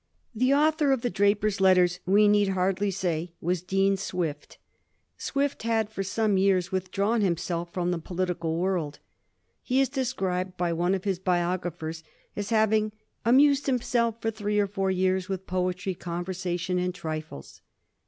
The author of ^ The Drapier's Letters,' we need hardly say, was Dean Swift. Swift had for some years withdrawn himself jBrom the political world. He is described by one of his biographers as having * amused himself for three or four years with poetry, conversation, and trifles.'